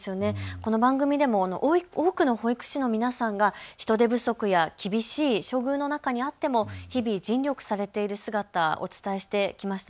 この番組でも多くの保育士の皆さんが人手不足や厳しい処遇の中にあっても日々、尽力されている姿をお伝えしてきました。